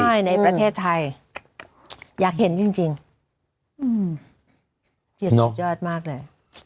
ถ้าย์ในประเทศไทยอยากเห็นจริงจริงอืมเกลียดสุดยอดมากเลย